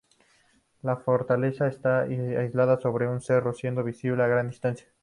La fortaleza esta aislada sobre un cerro, siendo visible a gran distancia.